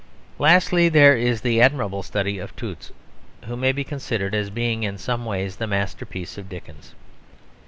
Lastly, there is the admirable study of Toots, who may be considered as being in some ways the masterpiece of Dickens.